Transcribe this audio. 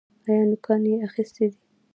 ایا نوکان یې اخیستي دي؟